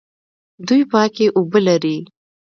دوی پاکې اوبه لري.